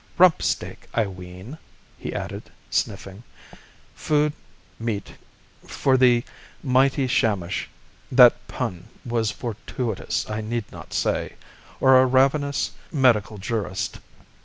Rump steak I ween," he added, sniffing, "food meet for the mighty Shamash (that pun was fortuitous, I need not say) or a ravenous medical jurist.